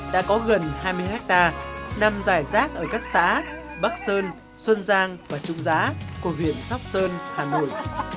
đã có gần hai mươi hectare nằm dài rác ở các xã bắc sơn xuân giang và trung giá của huyện sóc sơn hà nội